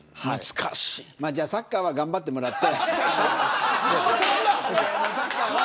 じゃあサッカーは頑張ってもらって。